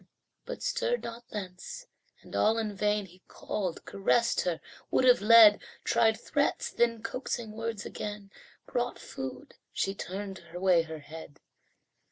But stirred not thence and all in vain He called, caressed her, would have led Tried threats then coaxing words again Brought food she turned away her head.